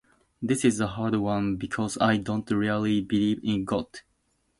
This is a hard one because I don't really believe in god